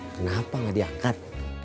kenapa gak diangkat